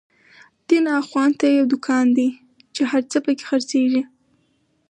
دين اخوان ته يو دکان دی، چی هر څه په کی خر څيږی